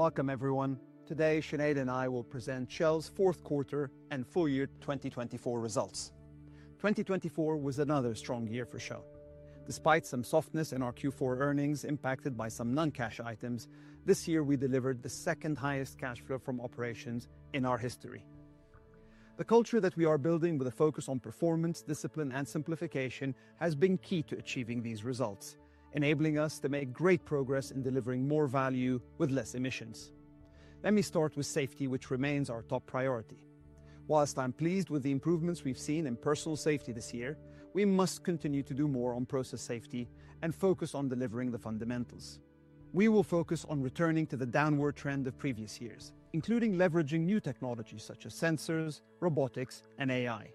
Welcome, everyone. Today, Sinead and I will present Shell's Q4 and full year 2024 results. 2024 was another strong year for Shell. Despite some softness in our Q4 earnings impacted by some non-cash items, this year we delivered the second highest cash flow from operations in our history. The culture that we are building with a focus on performance, discipline, and simplification has been key to achieving these results, enabling us to make great progress in delivering more value with less emissions. Let me start with safety, which remains our top priority. While I'm pleased with the improvements we've seen in personal safety this year, we must continue to do more on process safety and focus on delivering the fundamentals. We will focus on returning to the downward trend of previous years, including leveraging new technologies such as sensors, robotics, and AI.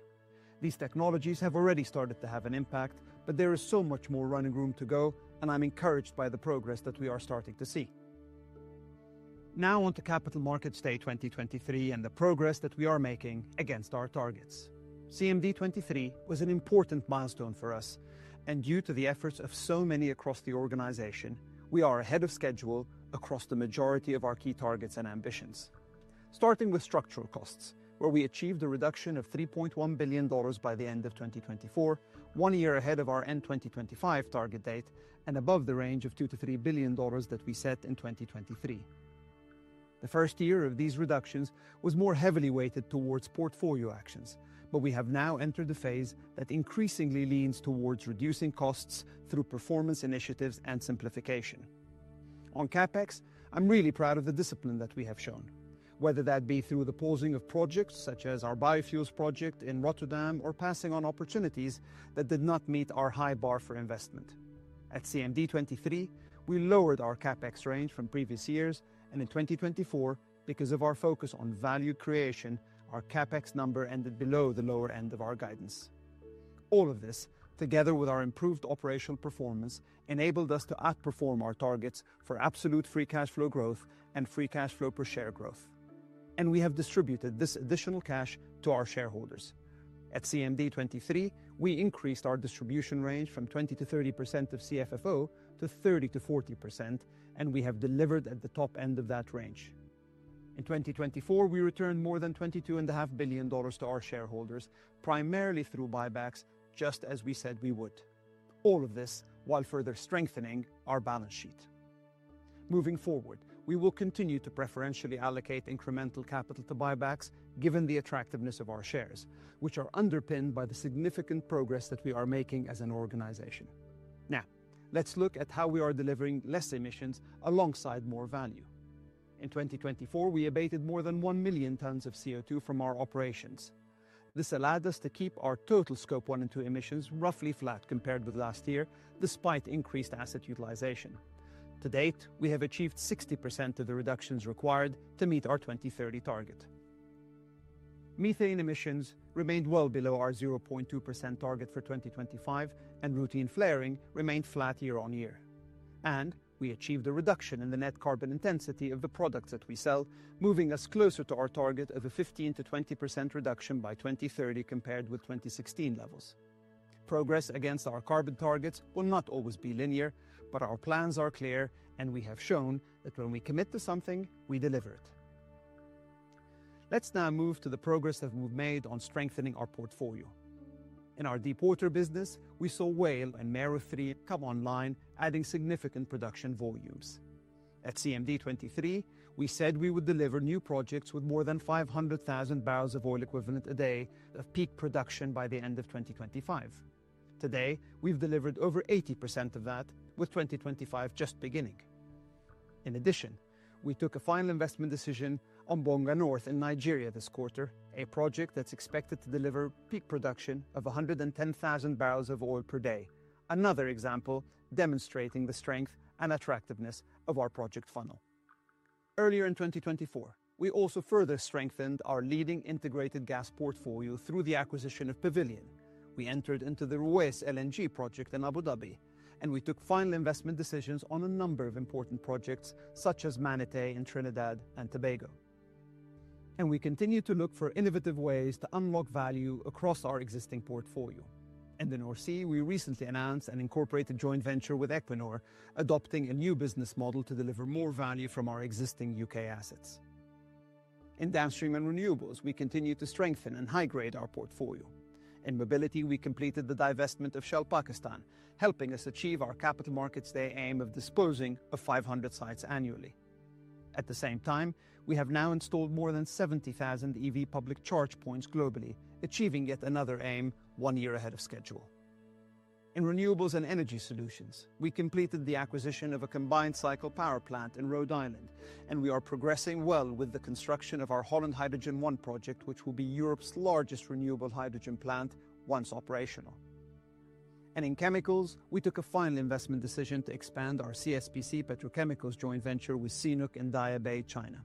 These technologies have already started to have an impact, but there is so much more running room to go, and I'm encouraged by the progress that we are starting to see. Now, onto Capital Markets Day 2023 and the progress that we are making against our targets. CMD23 was an important milestone for us, and due to the efforts of so many across the organization, we are ahead of schedule across the majority of our key targets and ambitions. Starting with structural costs, where we achieved a reduction of $3.1 billion by the end of 2024, one year ahead of our end-2025 target date and above the range of $2-$3 billion that we set in 2023. The first year of these reductions was more heavily weighted towards portfolio actions, but we have now entered a phase that increasingly leans towards reducing costs through performance initiatives and simplification. On CapEx, I'm really proud of the discipline that we have shown, whether that be through the pooling of projects such as our biofuels project in Rotterdam or passing on opportunities that did not meet our high bar for investment. At CMD23, we lowered our CapEx range from previous years, and in 2024, because of our focus on value creation, our CapEx number ended below the lower end of our guidance. All of this, together with our improved operational performance, enabled us to outperform our targets for absolute free cash flow growth and free cash flow per share growth, and we have distributed this additional cash to our shareholders. At CMD23, we increased our distribution range from 20%-30% of CFFO to 30%-40%, and we have delivered at the top end of that range. In 2024, we returned more than $22.5 billion to our shareholders, primarily through buybacks, just as we said we would. All of this while further strengthening our balance sheet. Moving forward, we will continue to preferentially allocate incremental capital to buybacks, given the attractiveness of our shares, which are underpinned by the significant progress th at we are making as an organization. Now, let's look at how we are delivering less emissions alongside more value. In 2024, we abated more than 1 million tons of CO2 from our operations. This allowed us to keep our total Scope 1 and 2 emissions roughly flat compared with last year, despite increased asset utilization. To date, we have achieved 60% of the reductions required to meet our 2030 target. Methane emissions remained well below our 0.2% target for 2025, and routine flaring remained flat year on year. And we achieved a reduction in the net carbon intensity of the products that we sell, moving us closer to our target of a 15%-20% reduction by 2030 compared with 2016 levels. Progress against our carbon targets will not always be linear, but our plans are clear, and we have shown that when we commit to something, we deliver it. Let's now move to the progress that we've made on strengthening our portfolio. In our deepwater business, we saw Whale and Mero-3 come online, adding significant production volumes. At CMD23, we said we would deliver new projects with more than 500,000 barrels of oil equivalent a day of peak production by the end of 2025. Today, we've delivered over 80% of that, with 2025 just beginning. In addition, we took a final investment decision on Bonga North in Nigeria this quarter, a project that's expected to deliver peak production of 110,000 barrels of oil per day, another example demonstrating the strength and attractiveness of our project funnel. Earlier in 2024, we also further strengthened our leading integrated gas portfolio through the acquisition of Pavilion. We entered into the Ruwais LNG project in Abu Dhabi, and we took final investment decisions on a number of important projects such as Manatee in Trinidad and Tobago, and we continue to look for innovative ways to unlock value across our existing portfolio. In the North Sea, we recently announced an incorporated joint venture with Equinor, adopting a new business model to deliver more value from our existing U.K. assets. In downstream and renewables, we continue to strengthen and high-grade our portfolio. In mobility, we completed the divestment of Shell Pakistan, helping us achieve our Capital Markets Day aim of disposing of 500 sites annually. At the same time, we have now installed more than 70,000 EV public charge points globally, achieving yet another aim one year ahead of schedule. In renewables and energy solutions, we completed the acquisition of a combined cycle power plant in Rhode Island, and we are progressing well with the construction of our Holland Hydrogen I project, which will be Europe's largest renewable hydrogen plant once operational, and in chemicals, we took a final investment decision to expand our CSPC Petrochemicals joint venture with CNOOC and Daya Bay, China.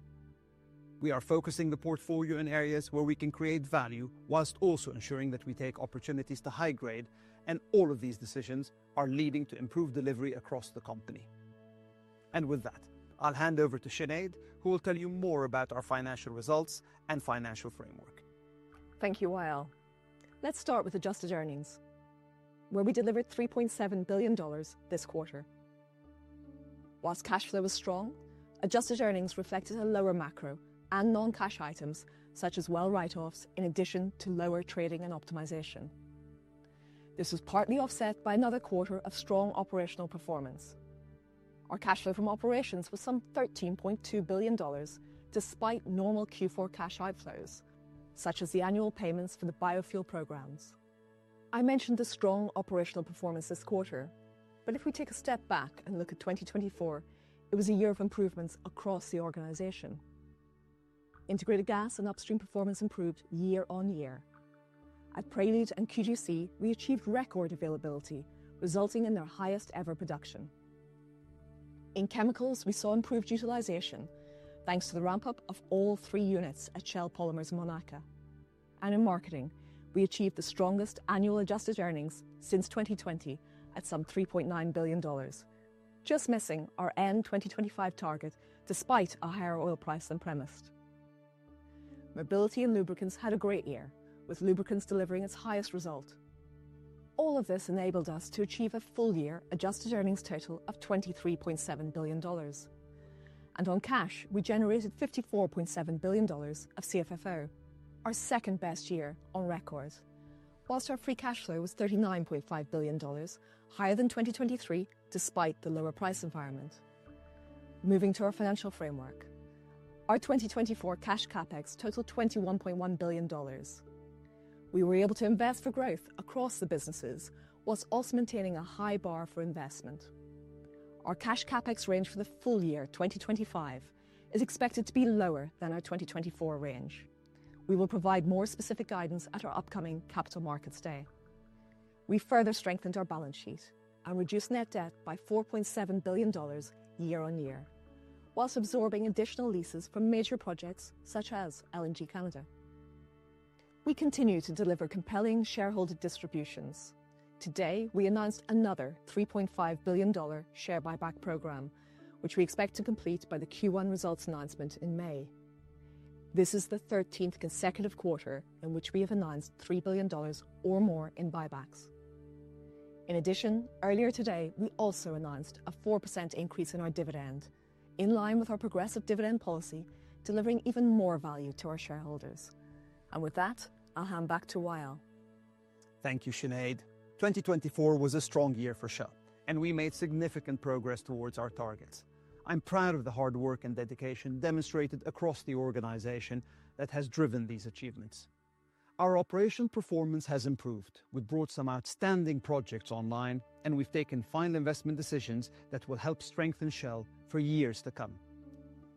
We are focusing the portfolio in areas where we can create value whilst also ensuring that we take opportunities to high-grade, and all of these decisions are leading to improved delivery across the company. With that, I'll hand over to Sinead, who will tell you more about our financial results and financial framework. Thank you, Wael. Let's start with adjusted earnings, where we delivered $3.7 billion this quarter. While cash flow was strong, adjusted earnings reflected a lower macro and non-cash items such as well write-offs in addition to lower trading and optimization. This was partly offset by another quarter of strong operational performance. Our cash flow from operations was some $13.2 billion despite normal Q4 cash outflows, such as the annual payments for the biofuels programs. I mentioned the strong operational performance this quarter, but if we take a step back and look at 2024, it was a year of improvements across the organization. Integrated gas and upstream performance improved year on year. At Prelude and QGC, we achieved record availability, resulting in their highest-ever production. In chemicals, we saw improved utilization thanks to the ramp-up of all three units at Shell Polymers Monaca. And in marketing, we achieved the strongest annual adjusted earnings since 2020 at some $3.9 billion, just missing our end-2025 target despite a higher oil price than premised. Mobility and lubricants had a great year, with lubricants delivering its highest result. All of this enabled us to achieve a full year adjusted earnings total of $23.7 billion. And on cash, we generated $54.7 billion of CFFO, our second-best year on record, whilst our free cash flow was $39.5 billion, higher than 2023 despite the lower price environment. Moving to our financial framework, our 2024 cash CapEx totaled $21.1 billion. We were able to invest for growth across the businesses, whilst also maintaining a high bar for investment. Our cash CapEx range for the full year 2025 is expected to be lower than our 2024 range. We will provide more specific guidance at our upcoming Capital Markets Day. We further strengthened our balance sheet and reduced net debt by $4.7 billion year on year, while absorbing additional leases from major projects such as LNG Canada. We continue to deliver compelling shareholder distributions. Today, we announced another $3.5 billion share buyback program, which we expect to complete by the Q1 results announcement in May. This is the 13th consecutive quarter in which we have announced $3 billion or more in buybacks. In addition, earlier today, we also announced a 4% increase in our dividend, in line with our progressive dividend policy, delivering even more value to our shareholders. And with that, I'll hand back to Wael. Thank you, Sinead. 2024 was a strong year for Shell, and we made significant progress towards our targets. I'm proud of the hard work and dedication demonstrated across the organization that has driven these achievements. Our operational performance has improved. We've brought some outstanding projects online, and we've taken final investment decisions that will help strengthen Shell for years to come.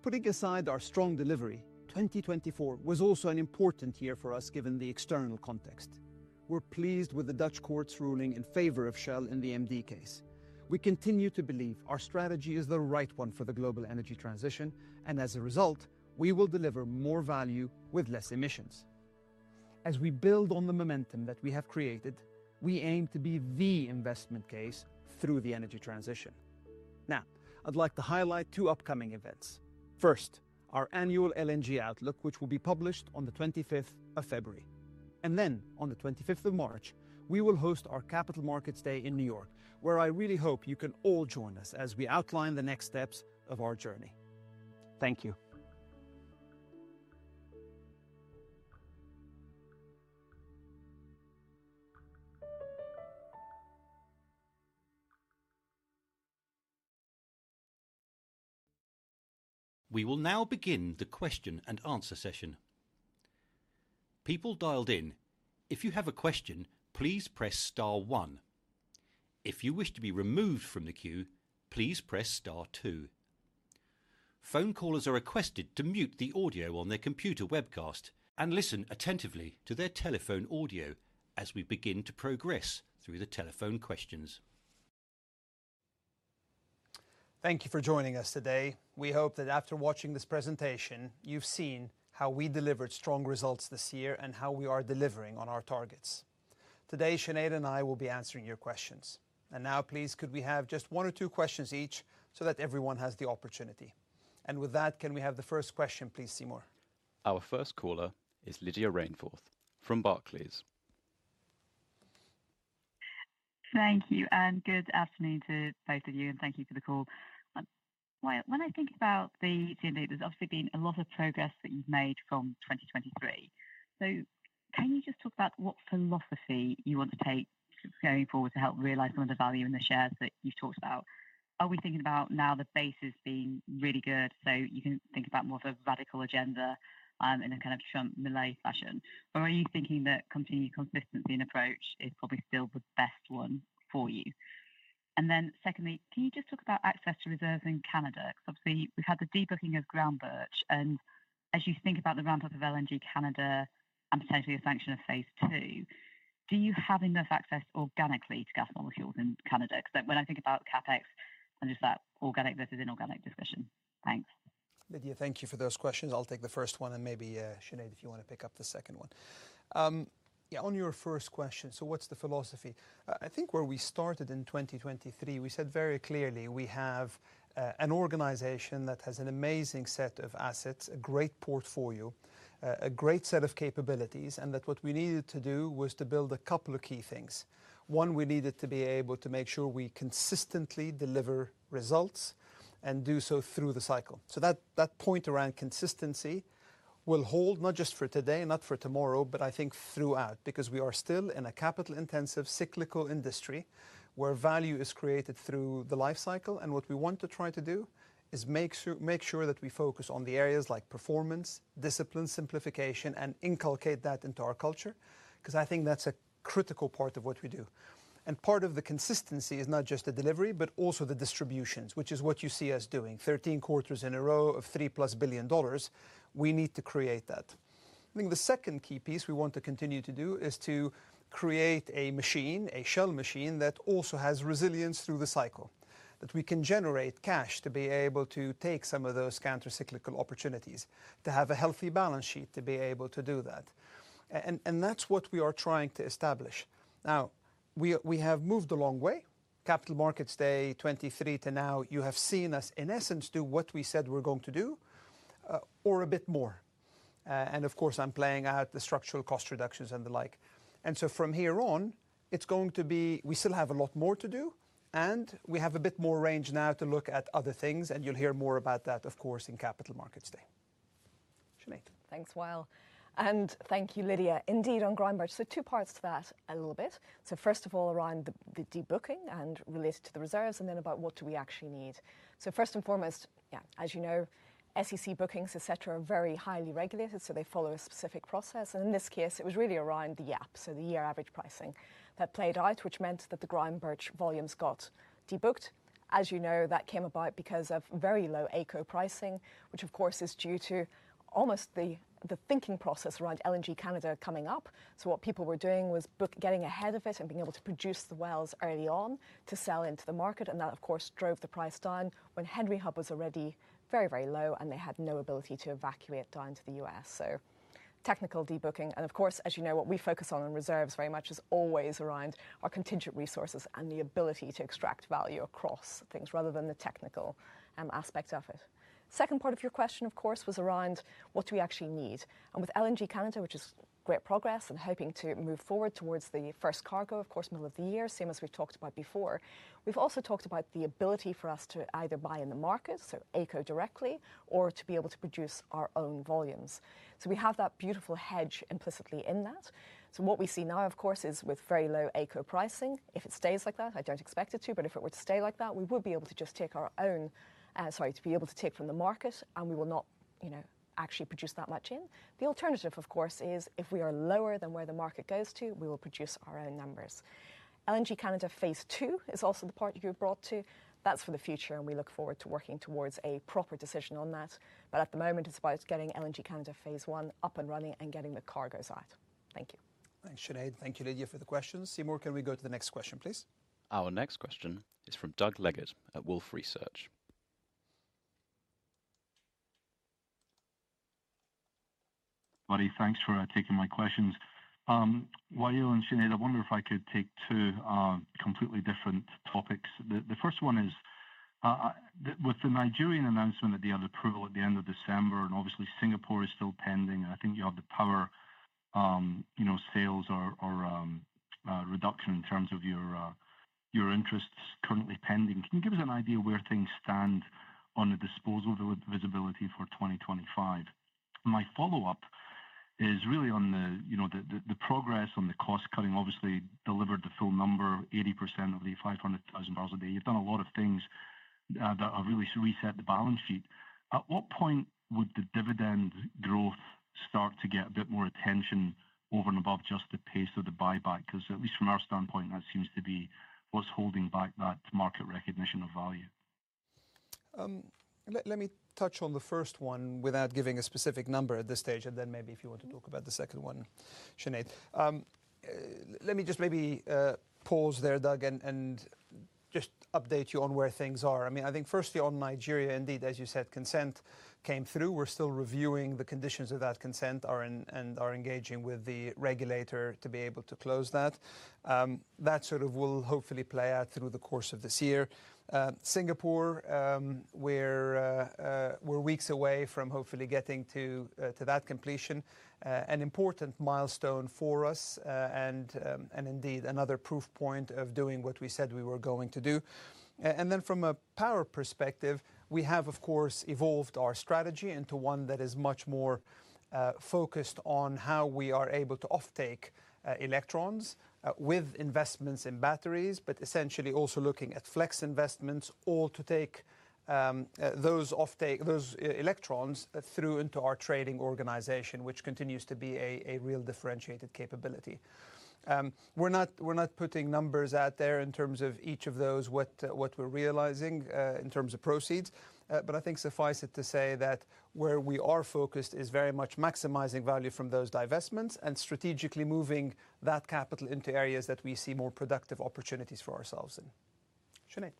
Putting aside our strong delivery, 2024 was also an important year for us given the external context. We're pleased with the Dutch court's ruling in favor of Shell in the MD case. We continue to believe our strategy is the right one for the global energy transition, and as a result, we will deliver more value with less emissions. As we build on the momentum that we have created, we aim to be the investment case through the energy transition. Now, I'd like to highlight two upcoming events. First, our annual LNG outlook, which will be published on the 25th of February, and then, on the 25th of March, we will host our Capital Markets Day in New York, where I really hope you can all join us as we outline the next steps of our journey. Thank you. We will now begin the question and answer session. People dialed in, if you have a question, please press star one. If you wish to be removed from the queue, please press star two. Phone callers are requested to mute the audio on their computer webcast and listen attentively to their telephone audio as we begin to progress through the telephone questions. Thank you for joining us today. We hope that after watching this presentation, you've seen how we delivered strong results this year and how we are delivering on our targets. Today, Sinead and I will be answering your questions. And now, please, could we have just one or two questions each so that everyone has the opportunity? And with that, can we have the first question, please, Seymour? Our first caller is Lydia Rainforth from Barclays. Thank you, and good afternoon to both of you, and thank you for the call. When I think about the CMD, there's obviously been a lot of progress that you've made from 2023, so can you just talk about what philosophy you want to take going forward to help realize some of the value in the shares that you've talked about? Are we thinking about now the base is being really good, so you can think about more of a radical agenda in a kind of Trump-Musk fashion, or are you thinking that continued consistency in approach is probably still the best one for you, and then secondly, can you just talk about access to reserves in Canada? Because obviously, we've had the debooking of Groundbirch, and as you think about the ramp-up of LNG Canada and potentially the sanction of phase two, do you have enough access organically to gas and oil fuels in Canada? Because when I think about CapEx, there's that organic versus inorganic discussion. Thanks. Lydia, thank you for those questions. I'll take the first one, and maybe Sinead, if you want to pick up the second one. Yeah, on your first question, so what's the philosophy? I think where we started in 2023, we said very clearly we have an organization that has an amazing set of assets, a great portfolio, a great set of capabilities, and that what we needed to do was to build a couple of key things. One, we needed to be able to make sure we consistently deliver results and do so through the cycle. So that point around consistency will hold not just for today, not for tomorrow, but I think throughout, because we are still in a capital-intensive, cyclical industry where value is created through the life cycle. And what we want to try to do is make sure that we focus on the areas like performance, discipline simplification, and inculcate that into our culture, because I think that's a critical part of what we do. And part of the consistency is not just the delivery, but also the distributions, which is what you see us doing: 13 quarters in a row of $3 plus billion. We need to create that. I think the second key piece we want to continue to do is to create a machine, a Shell machine that also has resilience through the cycle, that we can generate cash to be able to take some of those countercyclical opportunities, to have a healthy balance sheet to be able to do that. And that's what we are trying to establish. Now, we have moved a long way. Capital Markets Day 2023 to now, you have seen us, in essence, do what we said we're going to do, or a bit more. And of course, I'm playing out the structural cost reductions and the like. And so from here on, it's going to be, we still have a lot more to do, and we have a bit more range now to look at other things, and you'll hear more about that, of course, in Capital Markets Day. Sinead. Thanks, Wael. And thank you, Lydia. Indeed, on Groundbirch, so two parts to that a little bit. So first of all, around the debooking and related to the reserves, and then about what do we actually need. So first and foremost, yeah, as you know, SEC bookings, et cetera, are very highly regulated, so they follow a specific process. And in this case, it was really around the YAP, so the year-average pricing, that played out, which meant that the Groundbirch volumes got debooked. As you know, that came about because of very low AECO pricing, which, of course, is due to almost the thinking process around LNG Canada coming up. So what people were doing was getting ahead of it and being able to produce the wells early on to sell into the market. And that, of course, drove the price down when Henry Hub was already very, very low, and they had no ability to evacuate down to the U.S. So technical debooking. And of course, as you know, what we focus on in reserves very much is always around our contingent resources and the ability to extract value across things rather than the technical aspect of it. Second part of your question, of course, was around what do we actually need. And with LNG Canada, which is great progress and hoping to move forward towards the first cargo, of course, middle of the year, same as we've talked about before, we've also talked about the ability for us to either buy in the market, so AECO directly, or to be able to produce our own volumes. So we have that beautiful hedge implicitly in that. So what we see now, of course, is with very low AECO pricing. If it stays like that, I don't expect it to, but if it were to stay like that, we would be able to just take our own, sorry, to be able to take from the market, and we will not actually produce that much in. The alternative, of course, is if we are lower than where the market goes to, we will produce our own numbers. LNG Canada phase two is also the part you brought to. That's for the future, and we look forward to working towards a proper decision on that. But at the moment, it's about getting LNG Canada phase one up and running and getting the cargoes out. Thank you. Thanks, Sinead. Thank you, Lydia, for the questions. Seymour, can we go to the next question, please? Our next question is from Doug Leggett at Wolfe Research. Buddy, thanks for taking my questions. Wael and Sinead, I wonder if I could take two completely different topics. The first one is with the Nigerian announcement that they had approval at the end of December, and obviously, Singapore is still pending. I think you have the power sales or reduction in terms of your interests currently pending. Can you give us an idea of where things stand on the disposal visibility for 2025? My follow-up is really on the progress on the cost cutting. Obviously, delivered the full number, 80% of the $500,000 a day. You've done a lot of things that have really reset the balance sheet. At what point would the dividend growth start to get a bit more attention over and above just the pace of the buyback? Because at least from our standpoint, that seems to be what's holding back that market recognition of value. Let me touch on the first one without giving a specific number at this stage, and then maybe if you want to talk about the second one, Sinead. Let me just maybe pause there, Doug, and just update you on where things are. I mean, I think firstly on Nigeria, indeed, as you said, consent came through. We're still reviewing the conditions of that consent and are engaging with the regulator to be able to close that. That sort of will hopefully play out through the course of this year. Singapore, we're weeks away from hopefully getting to that completion. An important milestone for us and indeed another proof point of doing what we said we were going to do. And then from a power perspective, we have, of course, evolved our strategy into one that is much more focused on how we are able to offtake electrons with investments in batteries, but essentially also looking at flex investments, all to take those electrons through into our trading organization, which continues to be a real differentiated capability. We're not putting numbers out there in terms of each of those, what we're realizing in terms of proceeds. But I think suffice it to say that where we are focused is very much maximizing value from those divestments and strategically moving that capital into areas that we see more productive opportunities for ourselves in. Sinead.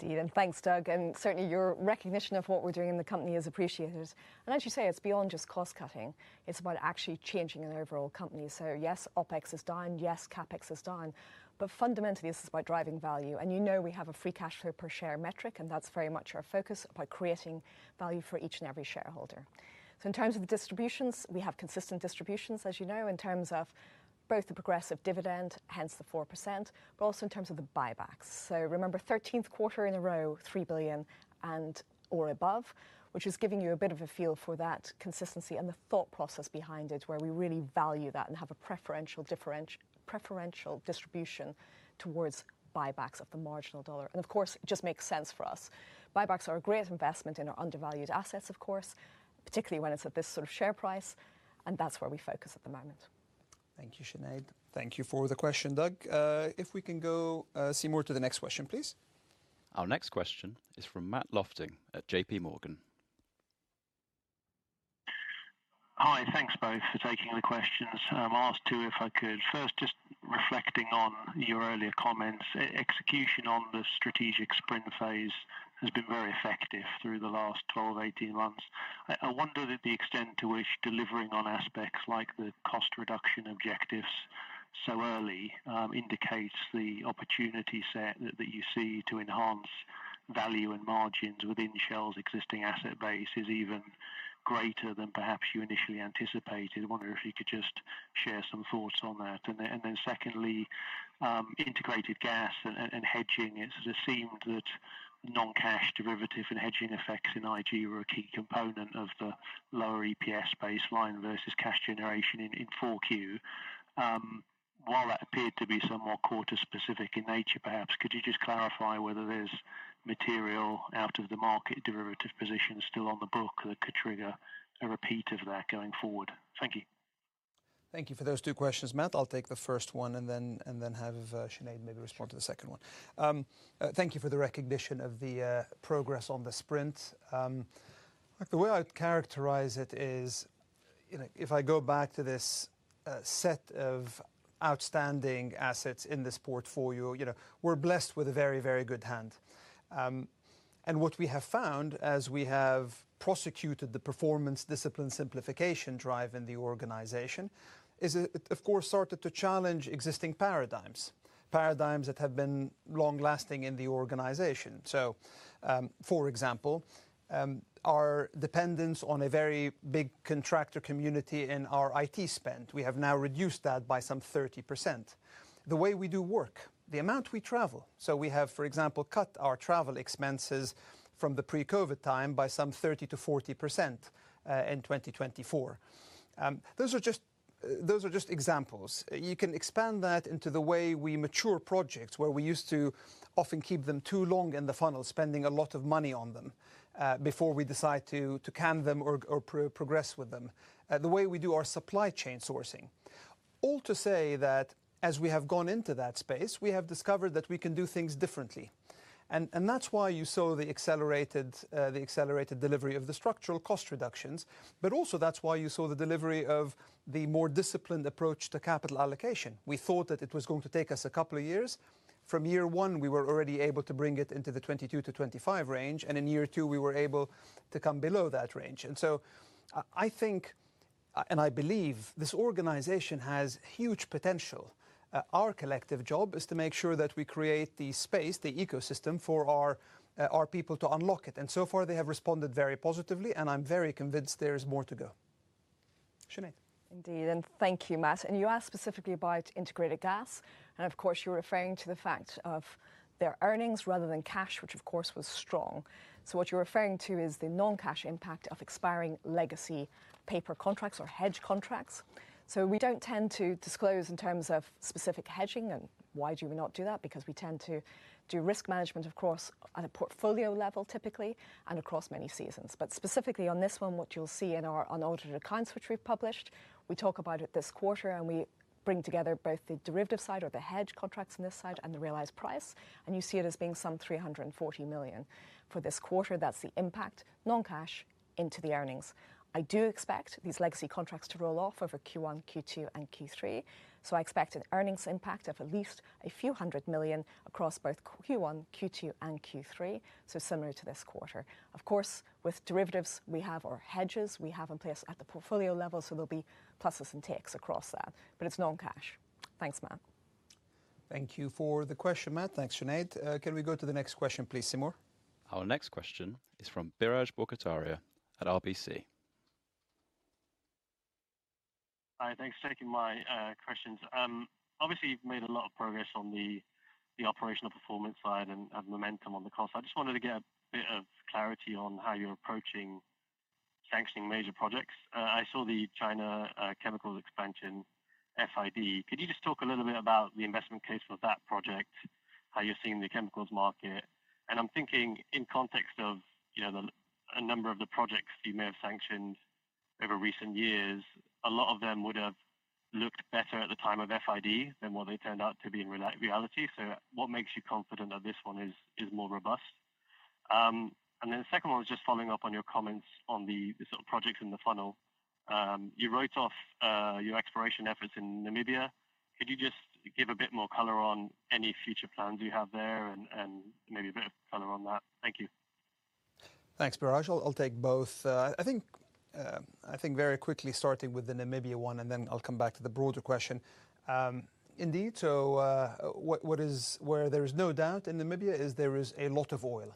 Indeed, and thanks, Doug. Certainly, your recognition of what we're doing in the company is appreciated. As you say, it's beyond just cost cutting. It's about actually changing an overall company. Yes, OpEx is down. Yes, CapEx is down. But fundamentally, this is about driving value. You know we have a free cash flow per share metric, and that's very much our focus by creating value for each and every shareholder. In terms of the distributions, we have consistent distributions, as you know, in terms of both the progressive dividend, hence the 4%, but also in terms of the buybacks. Remember, 13th quarter in a row, $3 billion or above, which is giving you a bit of a feel for that consistency and the thought process behind it, where we really value that and have a preferential distribution towards buybacks of the marginal dollar. And of course, it just makes sense for us. Buybacks are a great investment in our undervalued assets, of course, particularly when it's at this sort of share price. And that's where we focus at the moment. Thank you, Sinead. Thank you for the question, Doug. If we can go straight to the next question, please. Our next question is from Matt Lofting at J.P. Morgan. Hi, thanks both for taking the questions. I'm asked to, if I could, first just reflecting on your earlier comments, execution on the strategic sprint phase has been very effective through the last 12, 18 months. I wonder that the extent to which delivering on aspects like the cost reduction objectives so early indicates the opportunity set that you see to enhance value and margins within Shell's existing asset base is even greater than perhaps you initially anticipated. I wonder if you could just share some thoughts on that. Then secondly, integrated gas and hedging, it's sort of seemed that non-cash derivative and hedging effects in IG were a key component of the lower EPS baseline versus cash generation in Q4. While that appeared to be somewhat quarter-specific in nature, perhaps, could you just clarify whether there's material out of the market derivative positions still on the book that could trigger a repeat of that going forward? Thank you. Thank you for those two questions, Matt. I'll take the first one and then have Sinead maybe respond to the second one. Thank you for the recognition of the progress on the sprint. The way I'd characterize it is, if I go back to this set of outstanding assets in this portfolio, we're blessed with a very, very good hand. And what we have found as we have prosecuted the performance discipline simplification drive in the organization is it, of course, started to challenge existing paradigms, paradigms that have been long-lasting in the organization. So, for example, our dependence on a very big contractor community in our IT spend, we have now reduced that by some 30%. The way we do work, the amount we travel. So we have, for example, cut our travel expenses from the pre-COVID time by some 30%-40% in 2024. Those are just examples. You can expand that into the way we mature projects, where we used to often keep them too long in the funnel, spending a lot of money on them before we decide to can them or progress with them, the way we do our supply chain sourcing. All to say that as we have gone into that space, we have discovered that we can do things differently. And that's why you saw the accelerated delivery of the structural cost reductions, but also that's why you saw the delivery of the more disciplined approach to capital allocation. We thought that it was going to take us a couple of years. From year one, we were already able to bring it into the 22%-25% range, and in year two, we were able to come below that range. And so I think, and I believe this organization has huge potential. Our collective job is to make sure that we create the space, the ecosystem for our people to unlock it. And so far, they have responded very positively, and I'm very convinced there is more to go. Sinead. Indeed. And thank you, Matt. And you asked specifically about integrated gas. And of course, you're referring to the fact of their earnings rather than cash, which of course was strong. So what you're referring to is the non-cash impact of expiring legacy paper contracts or hedge contracts. So we don't tend to disclose in terms of specific hedging, and why do we not do that? Because we tend to do risk management, of course, at a portfolio level typically and across many seasons. But specifically on this one, what you'll see in our unaltered accounts, which we've published, we talk about it this quarter, and we bring together both the derivative side or the hedge contracts on this side and the realized price. And you see it as being some $340 million for this quarter. That's the impact, non-cash, into the earnings. I do expect these legacy contracts to roll off over Q1, Q2, and Q3. So I expect an earnings impact of at least a few hundred million across both Q1, Q2, and Q3, so similar to this quarter. Of course, with derivatives, we have our hedges we have in place at the portfolio level, so there'll be pluses and takes across that. But it's non-cash. Thanks, Matt. Thank you for the question, Matt. Thanks, Sinead. Can we go to the next question, please, Seymour? Our next question is from Biraj Borkhataria at RBC. Hi, thanks for taking my questions. Obviously, you've made a lot of progress on the operational performance side and momentum on the cost. I just wanted to get a bit of clarity on how you're approaching sanctioning major projects. I saw the China chemicals expansion, FID. Could you just talk a little bit about the investment case for that project, how you're seeing the chemicals market? And I'm thinking in context of a number of the projects you may have sanctioned over recent years, a lot of them would have looked better at the time of FID than what they turned out to be in reality. So what makes you confident that this one is more robust? And then the second one was just following up on your comments on the sort of projects in the funnel. You wrote off your exploration efforts in Namibia. Could you just give a bit more color on any future plans you have there and maybe a bit of color on that? Thank you. Thanks, Biraj. I'll take both. I think very quickly, starting with the Namibia one, and then I'll come back to the broader question. Indeed, so where there is no doubt in Namibia is there is a lot of oil.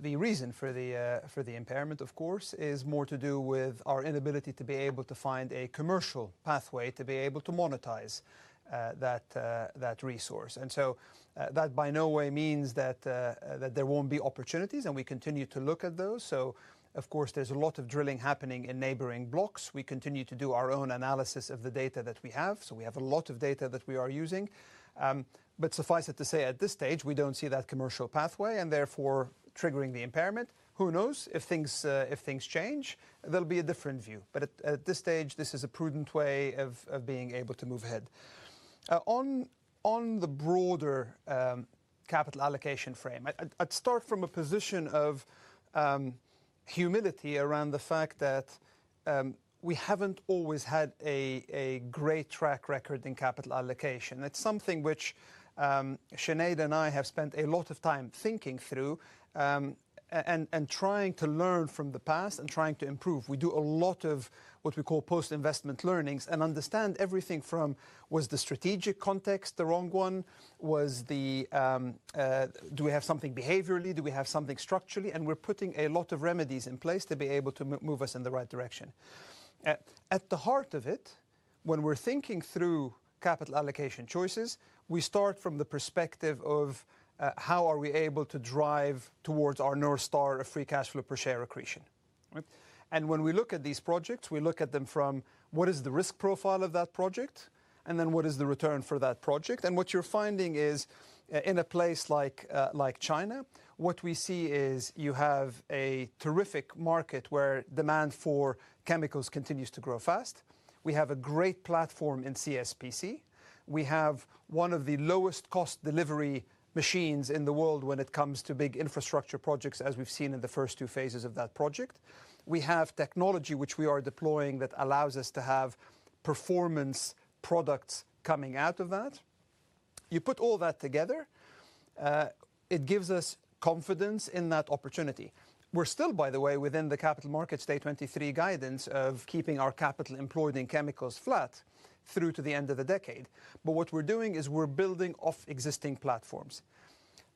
The reason for the impairment, of course, is more to do with our inability to be able to find a commercial pathway to be able to monetize that resource. And so that in no way means that there won't be opportunities, and we continue to look at those. So, of course, there's a lot of drilling happening in neighboring blocks. We continue to do our own analysis of the data that we have. So we have a lot of data that we are using. But suffice it to say, at this stage, we don't see that commercial pathway and therefore triggering the impairment. Who knows? If things change, there'll be a different view. But at this stage, this is a prudent way of being able to move ahead. On the broader capital allocation frame, I'd start from a position of humility around the fact that we haven't always had a great track record in capital allocation. It's something which Sinead and I have spent a lot of time thinking through and trying to learn from the past and trying to improve. We do a lot of what we call post-investment learnings and understand everything from was the strategic context the wrong one? Do we have something behaviorally? Do we have something structurally? And we're putting a lot of remedies in place to be able to move us in the right direction. At the heart of it, when we're thinking through capital allocation choices, we start from the perspective of how are we able to drive towards our North Star of free cash flow per share accretion, and when we look at these projects, we look at them from what is the risk profile of that project and then what is the return for that project, and what you're finding is in a place like China, what we see is you have a terrific market where demand for chemicals continues to grow fast. We have a great platform in CSPC. We have one of the lowest cost delivery machines in the world when it comes to big infrastructure projects as we've seen in the first two phases of that project. We have technology which we are deploying that allows us to have performance products coming out of that. You put all that together, it gives us confidence in that opportunity. We're still, by the way, within the Capital Markets Day 23 guidance of keeping our capital employed in chemicals flat through to the end of the decade. But what we're doing is we're building off existing platforms.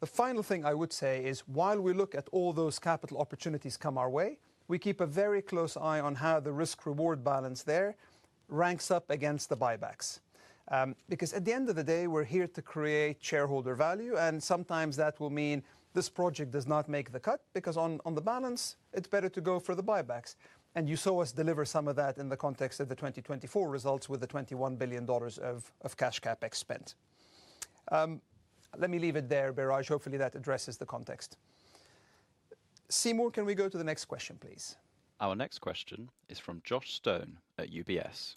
The final thing I would say is while we look at all those capital opportunities come our way, we keep a very close eye on how the risk-reward balance there ranks up against the buybacks. Because at the end of the day, we're here to create shareholder value. And sometimes that will mean this project does not make the cut because on the balance, it's better to go for the buybacks. And you saw us deliver some of that in the context of the 2024 results with the $21 billion of cash CapEx. Let me leave it there, Biraj. Hopefully, that addresses the context. Seymour, can we go to the next question, please? Our next question is from Josh Stone at UBS.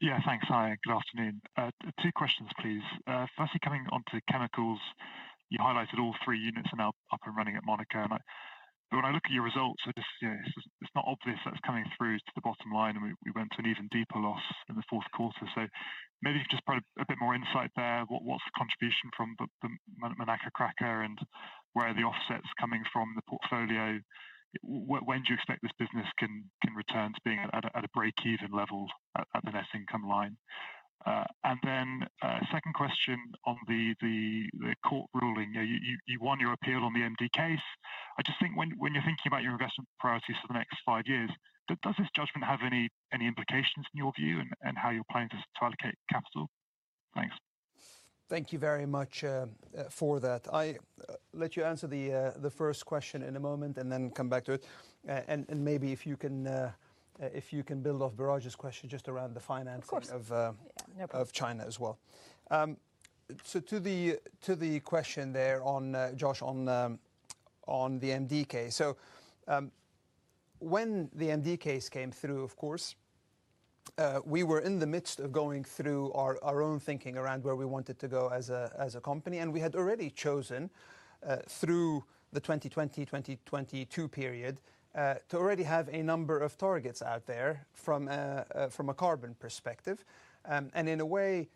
Yeah, thanks. Hi, good afternoon. Two questions, please. Firstly, coming onto chemicals, you highlighted all three units are now up and running at Monaca. But when I look at your results, it's not obvious that it's coming through to the bottom line. And we went to an even deeper loss in the fourth quarter. So maybe you could just provide a bit more insight there. What's the contribution from the Monaca Cracker and where are the offsets coming from the portfolio? When do you expect this business can return to being at a break-even level at the net income line? And then second question on the court ruling. You won your appeal on the MD case. I just think when you're thinking about your investment priorities for the next five years, does this judgment have any implications in your view and how you're planning to allocate capital? Thanks. Thank you very much for that. I'll let you answer the first question in a moment and then come back to it. And maybe if you can build off Biraj's question just around the finance of China as well. So to the question there on Josh on the MD case. So when the MD case came through, of course, we were in the midst of going through our own thinking around where we wanted to go as a company. And we had already chosen through the 2020-2022 period to already have a number of targets out there from a carbon perspective. And in a way,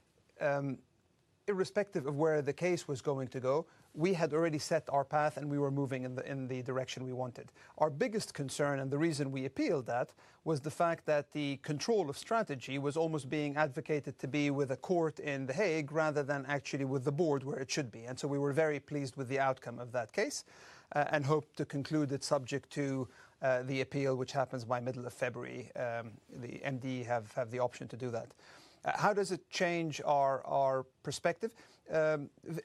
irrespective of where the case was going to go, we had already set our path and we were moving in the direction we wanted. Our biggest concern and the reason we appealed that was the fact that the control of strategy was almost being advocated to be with a court in The Hague rather than actually with the board where it should be, and so we were very pleased with the outcome of that case and hoped to conclude it subject to the appeal, which happens by middle of February. The MD have the option to do that. How does it change our perspective?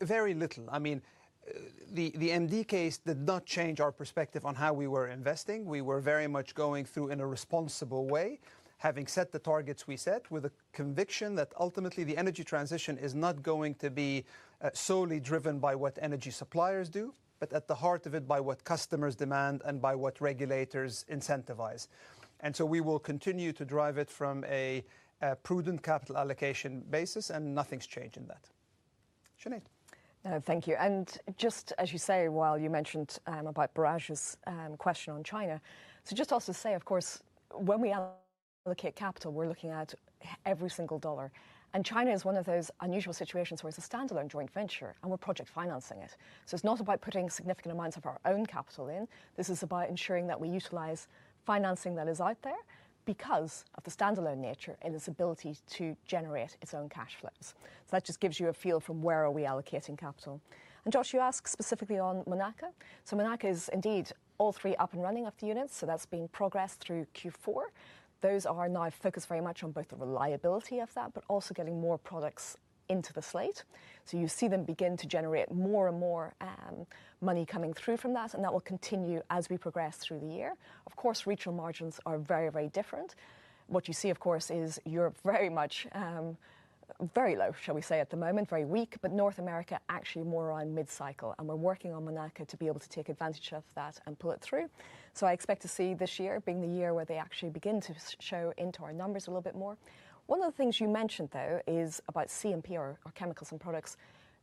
Very little. I mean, the MD case did not change our perspective on how we were investing. We were very much going through in a responsible way, having set the targets we set with a conviction that ultimately the energy transition is not going to be solely driven by what energy suppliers do, but at the heart of it by what customers demand and by what regulators incentivize. And so we will continue to drive it from a prudent capital allocation basis and nothing's changed in that. Sinead. Thank you. Just as you say, while you mentioned about Biraj's question on China, so just also say, of course, when we allocate capital, we're looking at every single dollar. And China is one of those unusual situations where it's a standalone joint venture and we're project financing it. So it's not about putting significant amounts of our own capital in. This is about ensuring that we utilize financing that is out there because of the standalone nature and its ability to generate its own cash flows. So that just gives you a feel from where are we allocating capital. And Josh, you asked specifically on Monaca. So Monaca is indeed all three up and running of the units. So that's been progressed through Q4. Those are now focused very much on both the reliability of that, but also getting more products into the slate. You see them begin to generate more and more money coming through from that. And that will continue as we progress through the year. Of course, regional margins are very, very different. What you see, of course, is you're very much very low, shall we say, at the moment, very weak, but North America actually more on mid-cycle. And we're working on Monaca to be able to take advantage of that and pull it through. So I expect to see this year being the year where they actually begin to show into our numbers a little bit more. One of the things you mentioned, though, is about C&P, our chemicals and products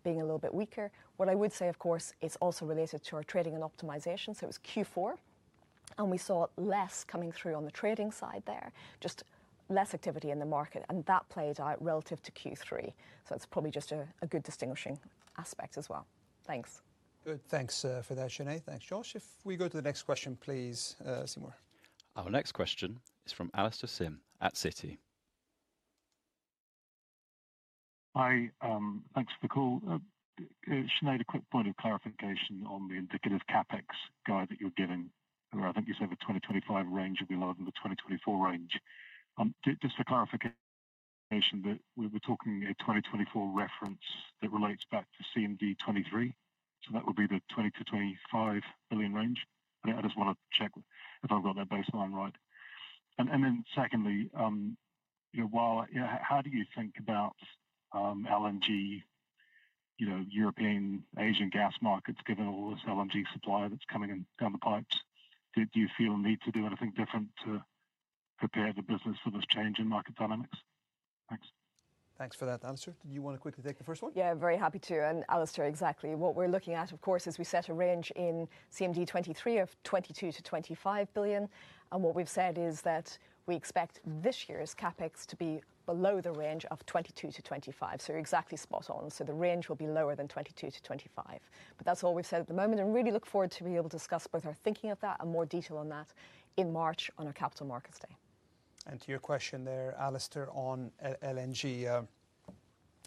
being a little bit weaker. What I would say, of course, it's also related to our trading and optimization. So it was Q4 and we saw less coming through on the trading side there, just less activity in the market. And that played out relative to Q3. So it's probably just a good distinguishing aspect as well. Thanks. Good. Thanks for that, Sinead. Thanks, Josh. If we go to the next question, please, Seymour. Our next question is from Alastair Syme at Citi. Hi, thanks for the call. Sinead, a quick point of clarification on the indicative CapEx guide that you're giving, where I think you said the 2025 range will be lower than the 2024 range. Just for clarification, we're talking a 2024 reference that relates back to CMD 2023. So that would be the $20 billion-$25 billion range. I just want to check if I've got that baseline right. And then secondly, how do you think about LNG, European Asian gas markets, given all this LNG supply that's coming down the pipes? Do you feel a need to do anything different to prepare the business for this change in market dynamics? Thanks. Thanks for that answer. Did you want to quickly take the first one? Yeah, very happy to, and Alastair, exactly. What we're looking at, of course, is we set a range in CMD 2023 of $22 billion-$25 billion. And what we've said is that we expect this year's CapEx to be below the range of $22 billion-$25 billion. So you're exactly spot on. So the range will be lower than $22 billion-$25 billion. But that's all we've said at the moment. And really look forward to being able to discuss both our thinking of that and more detail on that in March on our Capital Markets Day. To your question there, Alastair on LNG,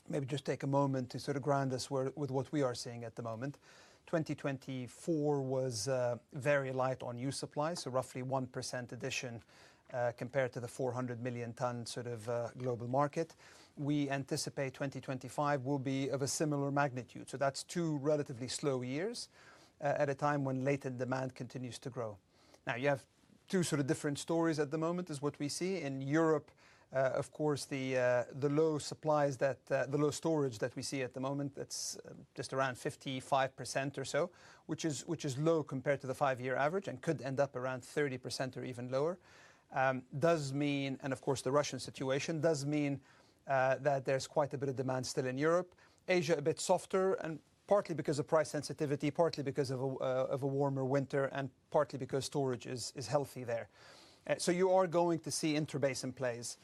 maybe just take a moment to sort of ground us with what we are seeing at the moment. 2024 was very light on new supply, so roughly 1% addition compared to the 400 million ton sort of global market. We anticipate 2025 will be of a similar magnitude. So that's two relatively slow years at a time when latent demand continues to grow. Now, you have two sort of different stories at the moment is what we see. In Europe, of course, the low storage that we see at the moment, it's just around 55% or so, which is low compared to the five-year average and could end up around 30% or even lower. And of course, the Russian situation does mean that there's quite a bit of demand still in Europe. Asia a bit softer, and partly because of price sensitivity, partly because of a warmer winter, and partly because storage is healthy there. So you are going to see interbasin plays.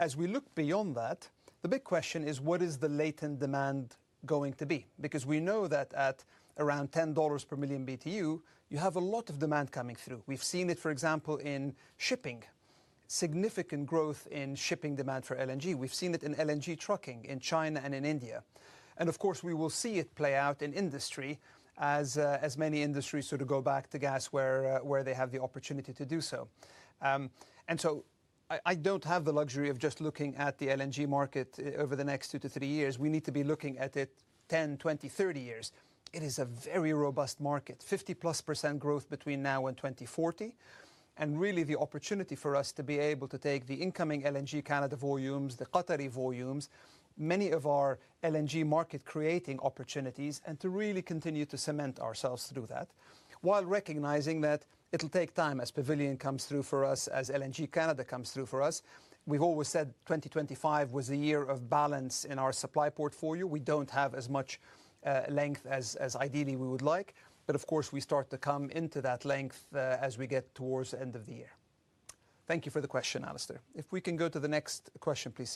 As we look beyond that, the big question is what is the latent demand going to be? Because we know that at around $10 per million BTU, you have a lot of demand coming through. We've seen it, for example, in shipping. Significant growth in shipping demand for LNG. We've seen it in LNG trucking in China and in India. And of course, we will see it play out in industry as many industries sort of go back to gas where they have the opportunity to do so. And so I don't have the luxury of just looking at the LNG market over the next two to three years. We need to be looking at it 10, 20, 30 years. It is a very robust market, 50-plus% growth between now and 2040. And really the opportunity for us to be able to take the incoming LNG Canada volumes, the Qatari volumes, many of our LNG market creating opportunities, and to really continue to cement ourselves through that. While recognizing that it'll take time as Pavilion comes through for us, as LNG Canada comes through for us. We've always said 2025 was a year of balance in our supply portfolio. We don't have as much length as ideally we would like. But of course, we start to come into that length as we get towards the end of the year. Thank you for the question, Alastair. If we can go to the next question, please,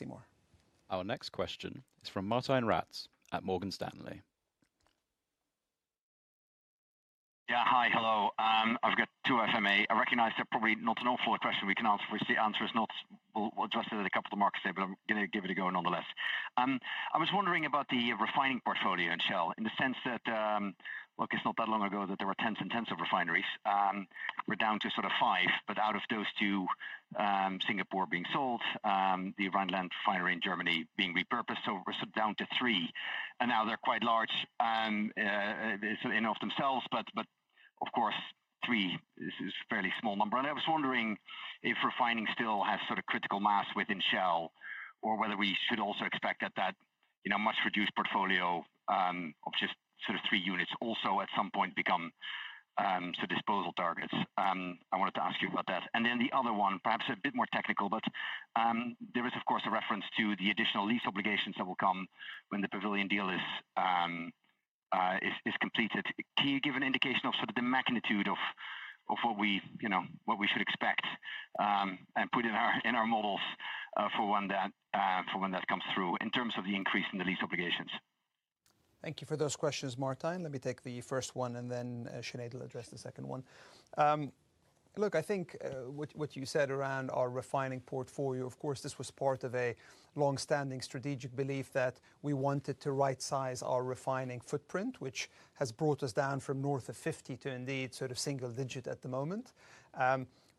Seymour. Our next question is from Martijn Rats at Morgan Stanley. Yeah, hi, hello. I've got two FMA. I recognize they're probably not a question we can answer at all. Obviously, the answer is not addressed to a couple of markets there, but I'm going to give it a go nonetheless. I was wondering about the refining portfolio in Shell in the sense that, look, it's not that long ago that there were tens and tens of refineries. We're down to sort of five, but out of those two, Singapore being sold, the Rhineland Refinery in Germany being repurposed, so we're sort of down to three, and now they're quite large in and of themselves, but of course, three is a fairly small number, and I was wondering if refining still has sort of critical mass within Shell or whether we should also expect that that much reduced portfolio of just sort of three units also at some point become disposal targets. I wanted to ask you about that. And then the other one, perhaps a bit more technical, but there is, of course, a reference to the additional lease obligations that will come when the Pavilion deal is completed. Can you give an indication of sort of the magnitude of what we should expect and put in our models for when that comes through in terms of the increase in the lease obligations? Thank you for those questions, Martijn. Let me take the first one and then Sinead will address the second one. Look, I think what you said around our refining portfolio, of course, this was part of a longstanding strategic belief that we wanted to right-size our refining footprint, which has brought us down from north of 50 to indeed sort of single digit at the moment.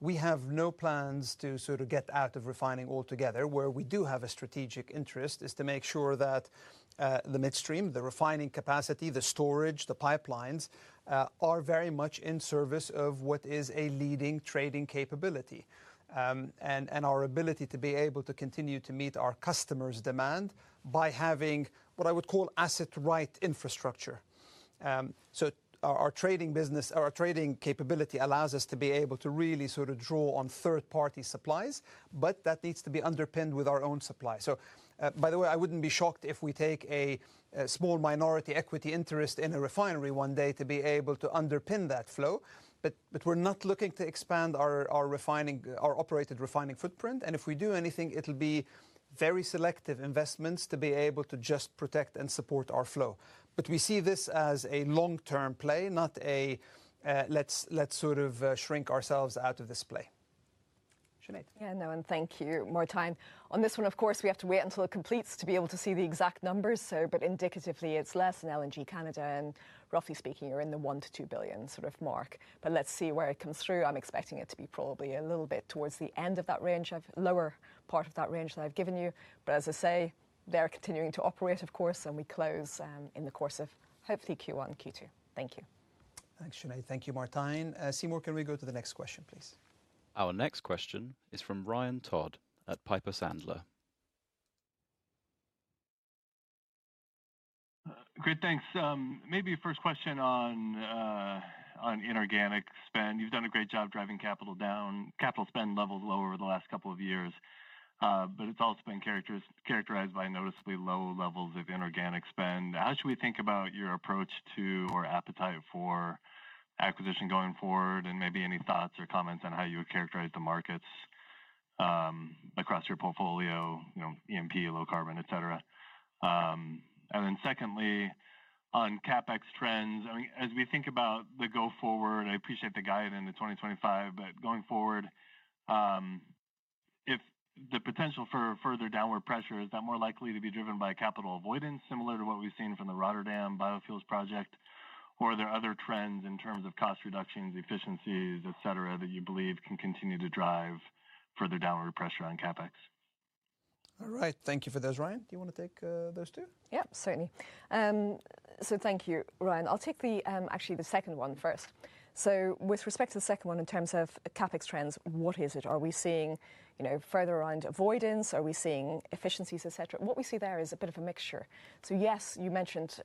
We have no plans to sort of get out of refining altogether. Where we do have a strategic interest is to make sure that the midstream, the refining capacity, the storage, the pipelines are very much in service of what is a leading trading capability and our ability to be able to continue to meet our customers' demand by having what I would call asset-right infrastructure. So our trading business, our trading capability allows us to be able to really sort of draw on third-party supplies, but that needs to be underpinned with our own supply. So by the way, I wouldn't be shocked if we take a small minority equity interest in a refinery one day to be able to underpin that flow. But we're not looking to expand our operated refining footprint. And if we do anything, it'll be very selective investments to be able to just protect and support our flow. But we see this as a long-term play, not a let's sort of shrink ourselves out of this play. Sinead. Yeah, no, and thank you, Martijn. On this one, of course, we have to wait until it completes to be able to see the exact numbers. But indicatively, it's less in LNG Canada. And roughly speaking, you're in the $1-$2 billion sort of mark. But let's see where it comes through. I'm expecting it to be probably a little bit towards the end of that range, lower part of that range that I've given you. But as I say, they're continuing to operate, of course, and we close in the course of hopefully Q1, Q2. Thank you. Thanks, Sinead. Thank you, Martijn. Seymour, can we go to the next question, please? Our next question is from Ryan Todd at Piper Sandler. Good, thanks. Maybe first question on inorganic spend. You've done a great job driving capital down, capital spend levels lower over the last couple of years. But it's also been characterized by noticeably low levels of inorganic spend. How should we think about your approach to or appetite for acquisition going forward? And maybe any thoughts or comments on how you would characterize the markets across your portfolio, EMP, low carbon, et cetera. And then secondly, on CapEx trends, I mean, as we think about the go-forward, I appreciate the guide in the 2025, but going forward, if the potential for further downward pressure, is that more likely to be driven by capital avoidance similar to what we've seen from the Rotterdam biofuels project? Or are there other trends in terms of cost reductions, efficiencies, et cetera, that you believe can continue to drive further downward pressure on CapEx? All right, thank you for those. Ryan, do you want to take those two? Yep, certainly. So thank you, Ryan. I'll take actually the second one first. So with respect to the second one in terms of CapEx trends, what is it? Are we seeing further around avoidance? Are we seeing efficiencies, et cetera? What we see there is a bit of a mixture. So yes, you mentioned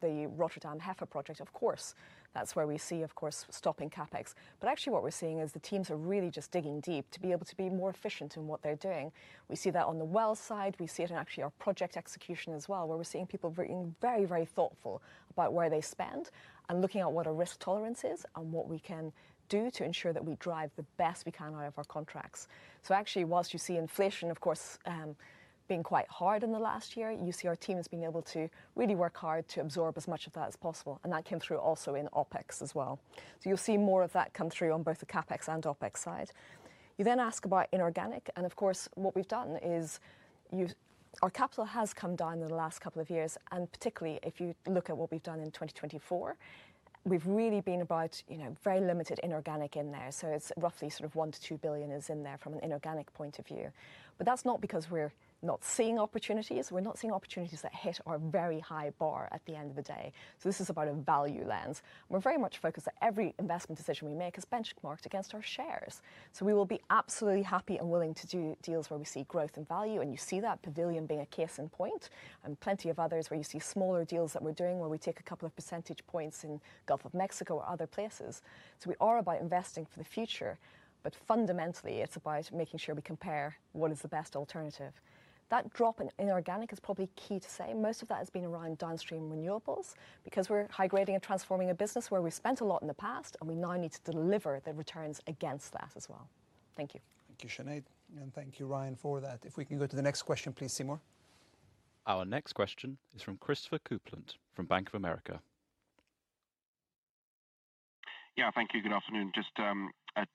the Rotterdam hydrogen project. Of course, that's where we see, of course, stopping CapEx. But actually what we're seeing is the teams are really just digging deep to be able to be more efficient in what they're doing. We see that on the well side. We see it in actually our project execution as well, where we're seeing people being very, very thoughtful about where they spend and looking at what a risk tolerance is and what we can do to ensure that we drive the best we can out of our contracts. So actually, while you see inflation, of course, being quite hard in the last year, you see our teams being able to really work hard to absorb as much of that as possible. And that came through also in OpEx as well. So you'll see more of that come through on both the CapEx and OpEx side. You then ask about inorganic. And of course, what we've done is our capital has come down in the last couple of years. And particularly if you look at what we've done in 2024, we've really been about very limited inorganic in there. So it's roughly sort of $1-$2 billion is in there from an inorganic point of view. But that's not because we're not seeing opportunities. We're not seeing opportunities that hit our very high bar at the end of the day. So this is about a value lens. We're very much focused that every investment decision we make is benchmarked against our shares. So we will be absolutely happy and willing to do deals where we see growth and value. And you see that Pavilion being a case in point and plenty of others where you see smaller deals that we're doing where we take a couple of percentage points in Gulf of Mexico or other places. So we are about investing for the future, but fundamentally it's about making sure we compare what is the best alternative. That drop in inorganic is probably key to say. Most of that has been around downstream renewables because we're high grading and transforming a business where we've spent a lot in the past and we now need to deliver the returns against that as well. Thank you. Thank you, Sinead. And thank you, Ryan, for that. If we can go to the next question, please, Seymour. Our next question is from Christopher Kuplent from Bank of America. Yeah, thank you. Good afternoon. Just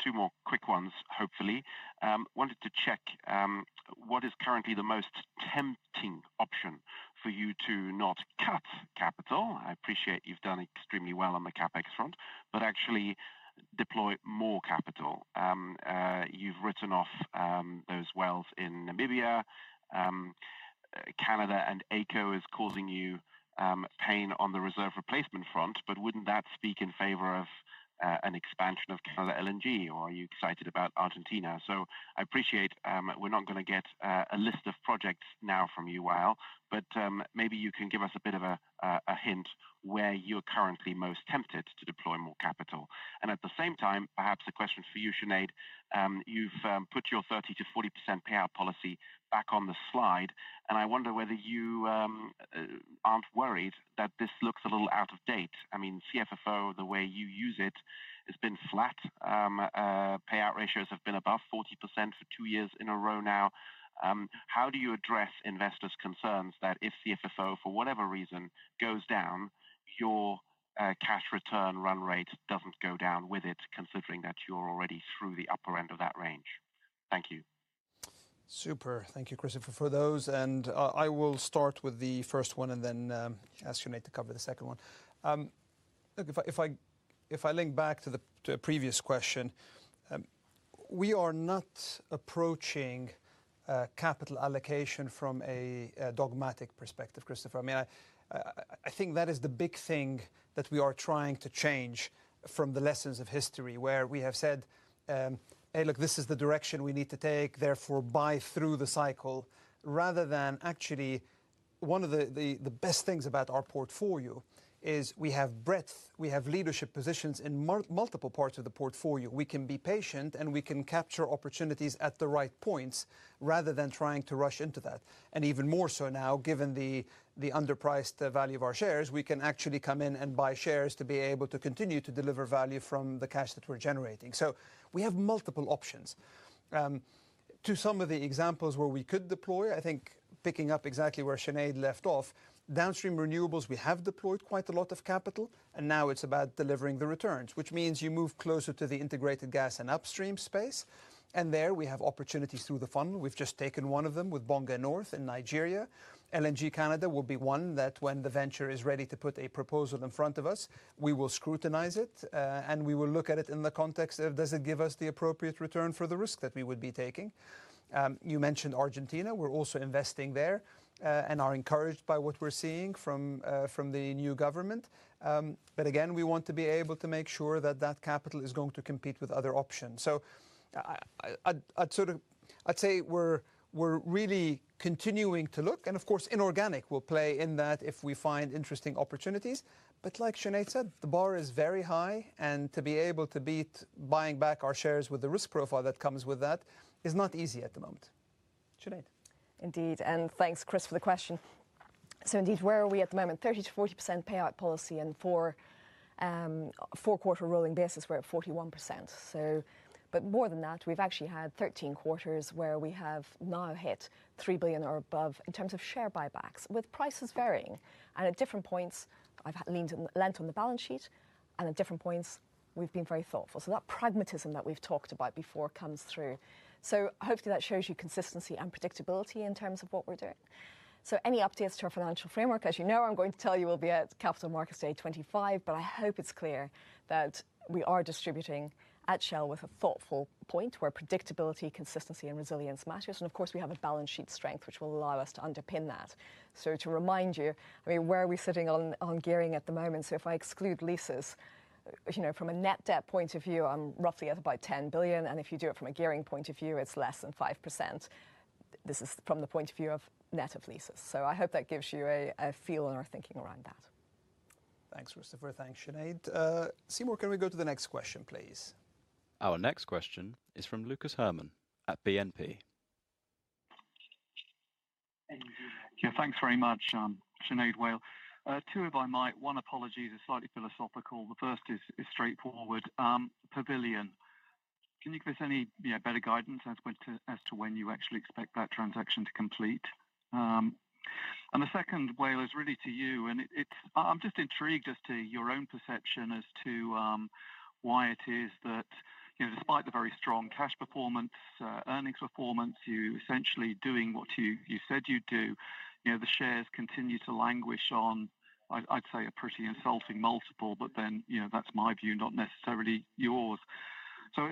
two more quick ones, hopefully. Wanted to check what is currently the most tempting option for you to not cut capital. I appreciate you've done extremely well on the CapEx front, but actually deploy more capital. You've written off those wells in Namibia. Canada and AECO is causing you pain on the reserve replacement front, but wouldn't that speak in favor of an expansion of LNG Canada? Or are you excited about Argentina? So I appreciate we're not going to get a list of projects now from you, Wael, but maybe you can give us a bit of a hint where you're currently most tempted to deploy more capital. At the same time, perhaps a question for you, Sinead. You've put your 30%-40% payout policy back on the slide. And I wonder whether you aren't worried that this looks a little out of date. I mean, CFFO, the way you use it, has been flat. Payout ratios have been above 40% for two years in a row now. How do you address investors' concerns that if CFFO, for whatever reason, goes down, your cash return run rate doesn't go down with it, considering that you're already through the upper end of that range? Thank you. Super. Thank you, Christopher, for those. And I will start with the first one and then ask Sinead to cover the second one. If I link back to the previous question, we are not approaching capital allocation from a dogmatic perspective, Christopher. I mean, I think that is the big thing that we are trying to change from the lessons of history where we have said, hey, look, this is the direction we need to take, therefore buy through the cycle, rather than actually one of the best things about our portfolio is we have breadth, we have leadership positions in multiple parts of the portfolio. We can be patient and we can capture opportunities at the right points rather than trying to rush into that. Even more so now, given the underpriced value of our shares, we can actually come in and buy shares to be able to continue to deliver value from the cash that we're generating. We have multiple options. To some of the examples where we could deploy, I think picking up exactly where Sinead left off, downstream renewables, we have deployed quite a lot of capital. Now it's about delivering the returns, which means you move closer to the integrated gas and upstream space. There we have opportunities through the funnel. We've just taken one of them with Bonga North in Nigeria. LNG Canada will be one that, when the venture is ready to put a proposal in front of us, we will scrutinize it and we will look at it in the context of does it give us the appropriate return for the risk that we would be taking. You mentioned Argentina. We're also investing there and are encouraged by what we're seeing from the new government. But again, we want to be able to make sure that that capital is going to compete with other options. So I'd say we're really continuing to look. And of course, inorganic will play in that if we find interesting opportunities. But like Sinead said, the bar is very high. And to be able to beat buying back our shares with the risk profile that comes with that is not easy at the moment. Sinead. Indeed, and thanks, Chris, for the question. So indeed, where are we at the moment? 30%-40% payout policy and four-quarter rolling basis, we're at 41%. But more than that, we've actually had 13 quarters where we have now hit $3 billion or above in terms of share buybacks with prices varying, and at different points. I've leaned and leant on the balance sheet, and at different points, we've been very thoughtful, so that pragmatism that we've talked about before comes through, so hopefully that shows you consistency and predictability in terms of what we're doing, so any updates to our financial framework, as you know, I'm going to tell you will be at Capital Markets Day 25, but I hope it's clear that we are distributing at Shell with a thoughtful point where predictability, consistency, and resilience matters. And of course, we have a balance sheet strength, which will allow us to underpin that. So to remind you, I mean, where are we sitting on gearing at the moment? So if I exclude leases, from a net debt point of view, I'm roughly at about $10 billion. And if you do it from a gearing point of view, it's less than 5%. This is from the point of view of net of leases. So I hope that gives you a feel on our thinking around that. Thanks, Christopher. Thanks, Sinead. Seymour, can we go to the next question, please? Our next question is from Lucas Herrmann at BNP. Yeah, thanks very much, Sinead, Wael. Two, if I might. One, apologies, is slightly philosophical. The first is straightforward. Pavilion, can you give us any better guidance as to when you actually expect that transaction to complete? And the second, Wael, is really to you. And I'm just intrigued as to your own perception as to why it is that despite the very strong cash performance, earnings performance, you essentially doing what you said you'd do, the shares continue to languish on, I'd say, a pretty insulting multiple. But then that's my view, not necessarily yours. So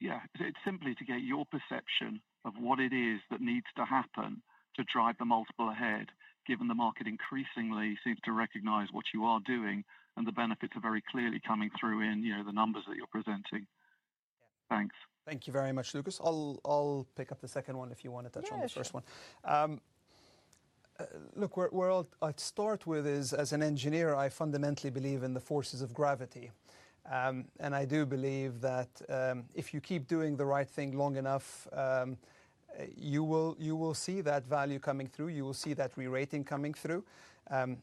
yeah, it's simply to get your perception of what it is that needs to happen to drive the multiple ahead, given the market increasingly seems to recognize what you are doing and the benefits are very clearly coming through in the numbers that you're presenting. Thanks. Thank you very much, Lucas. I'll pick up the second one if you want to touch on the first one. Look, what I'd start with is as an engineer, I fundamentally believe in the forces of gravity. And I do believe that if you keep doing the right thing long enough, you will see that value coming through. You will see that re-rating coming through.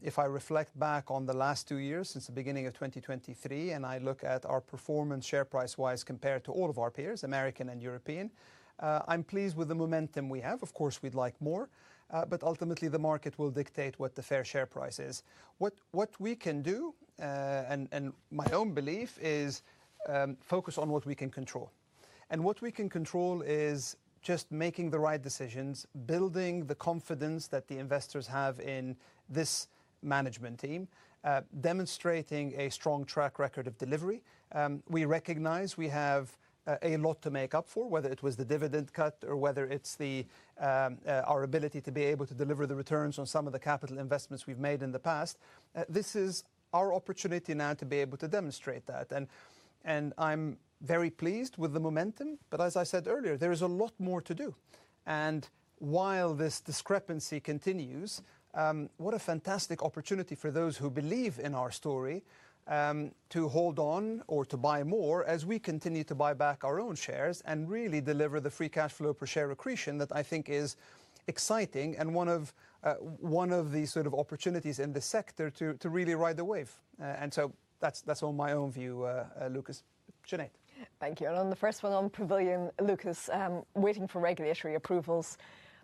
If I reflect back on the last two years since the beginning of 2023 and I look at our performance share price wise compared to all of our peers, American and European, I'm pleased with the momentum we have. Of course, we'd like more, but ultimately the market will dictate what the fair share price is. What we can do, and my own belief, is focus on what we can control. And what we can control is just making the right decisions, building the confidence that the investors have in this management team, demonstrating a strong track record of delivery. We recognize we have a lot to make up for, whether it was the dividend cut or whether it's our ability to be able to deliver the returns on some of the capital investments we've made in the past. This is our opportunity now to be able to demonstrate that. And I'm very pleased with the momentum. But as I said earlier, there is a lot more to do. And while this discrepancy continues, what a fantastic opportunity for those who believe in our story to hold on or to buy more as we continue to buy back our own shares and really deliver the free cash flow per share accretion that I think is exciting and one of the sort of opportunities in the sector to really ride the wave. And so that's on my own view, Lucas. Sinead. Thank you. And on the first one on Pavilion, Lucas, waiting for regulatory approvals,